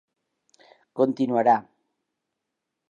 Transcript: Continuarà...